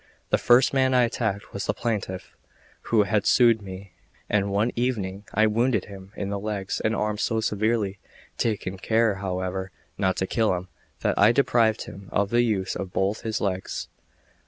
The first man I attacked was the plaintiff who had sued me; and one evening I wounded him in the legs and arms so severely, taking care, however, not to kill him, that I deprived him of the use of both his legs.